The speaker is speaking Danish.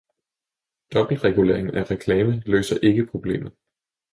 Dobbeltregulering af reklame løser ikke problemet.